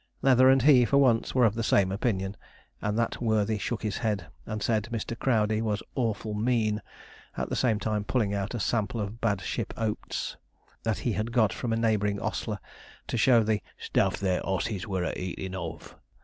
Leather and he, for once, were of the same opinion, and that worthy shook his head, and said Mr. Crowdey was 'awful mean,' at the same time pulling out a sample of bad ship oats, that he had got from a neighbouring ostler, to show the 'stuff' their 'osses' were a eatin' of.